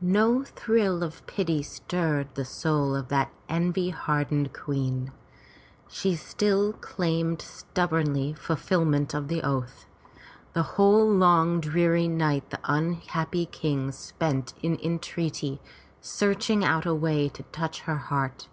No thrill of pity stirred the soul of that envy hardened queen. She still claimed stubbornly fulfilment of the oath. The whole long dreary night the unhappy King spent in entreaty, searching out the way to touch her heart.